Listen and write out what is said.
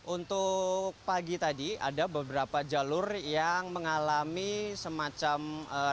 untuk pagi tadi ada beberapa jalur yang mengalami semacam